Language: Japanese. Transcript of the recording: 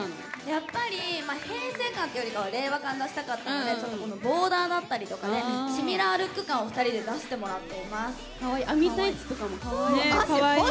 やっぱり平成感っていうより令和感を出したかったのでちょっと、ボーダーだったりシミラールック感を２人で出してもらってます。